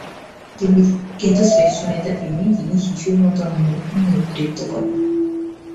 কিন্তু শ্রেষ্ঠ নেতা তিনিই, যিনি শিশুর মত অন্যের উপর নেতৃত্ব করেন।